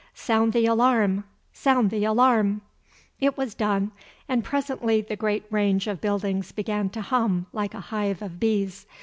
Sound the alarm. Sound the alarm!" It was done, and presently the great range of buildings began to hum like a hive of bees.